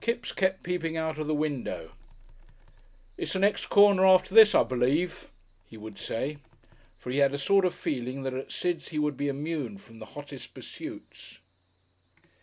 Kipps kept peeping out of the window. "It's the next corner after this, I believe," he would say. For he had a sort of feeling that at Sid's he would be immune from the hottest pursuits.